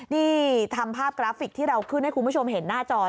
นี่ทำภาพกราฟิกที่เราขึ้นให้คุณผู้ชมเห็นหน้าจอ